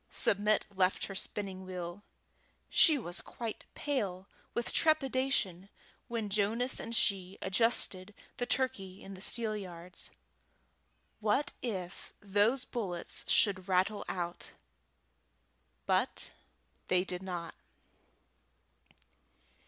Submit left her spinning wheel. She was quite pale with trepidation when Jonas and she adjusted the turkey in the steelyards. What if those bullets should rattle out? But they did not.